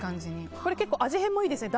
変もいいですね。